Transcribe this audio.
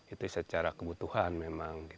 itu secara kebutuhan memang